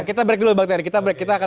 kita break dulu bang terry